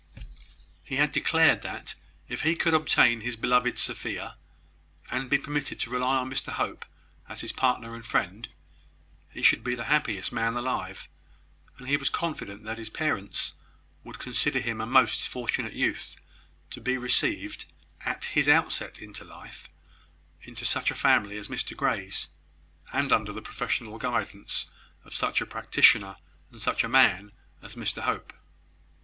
He had declared that if he could obtain his beloved Sophia, and be permitted to rely on Mr Hope as his partner and friend, he should be the happiest man alive; and he was confident that his parents would consider him a most fortunate youth, to be received, at his outset into life, into such a family as Mr Grey's, and under the professional guidance of such a practitioner and such a man as Mr Hope.